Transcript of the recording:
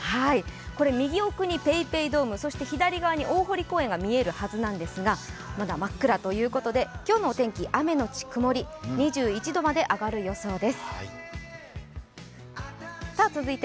右奥にＰａｙＰａｙドーム、左側に大濠公園が見えるはずなんですがまだ真っ暗ということで今日の天気、雨のち曇り２１度まで上がる予想です。